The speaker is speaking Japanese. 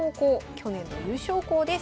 去年の優勝校です。